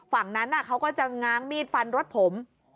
ฝั่งนั้นเขาก็จะง้างมีดฟันรถผม